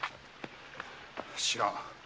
知らん！